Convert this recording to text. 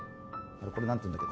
これ何て言うんだっけ？